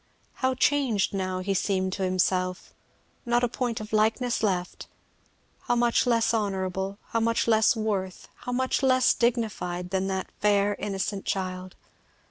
How changed now he seemed to himself not a point of likeness left. How much less honourable, how much less worth, how much less dignified, than that fair innocent child.